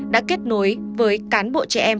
đã kết nối với cán bộ trẻ em